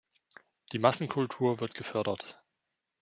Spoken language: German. Die Massenkultur wird gefördert.